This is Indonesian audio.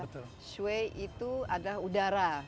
shui itu adalah udara